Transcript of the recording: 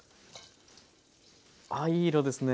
あっいい色ですね。